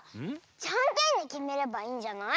じゃんけんできめればいいんじゃない？